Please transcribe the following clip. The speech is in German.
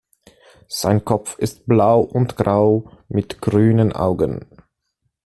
Sein Kopf ist blau und grau mit grünen Augen.